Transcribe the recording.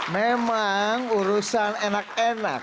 memang urusan enak enak